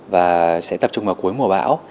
và sẽ tập trung vào cuối mùa bão